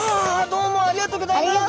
どうもありがとうギョざいます。